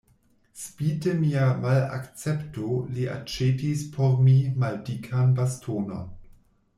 Spite mia malakcepto li aĉetis por mi maldikan bastonon.